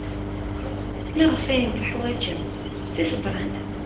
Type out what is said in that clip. Maɣef ay teḥwajem tisebrent?